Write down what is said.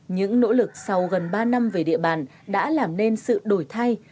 những nỗ lực sau gần ba năm về địa bàn đã làm nên sự đổi thay